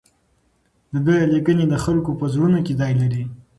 د ده لیکنې د خلکو په زړونو کې ځای لري.